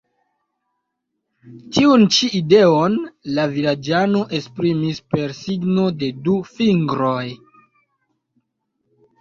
Tiun ĉi ideon la vilaĝano esprimis per signo de du fingroj.